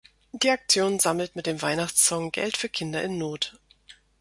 Die Aktion sammelt mit dem Weihnachtssong Geld für Kinder in Not.